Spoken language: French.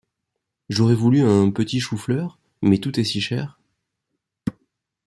J’aurais voulu un petit chou-fleur, mais tout est si cher…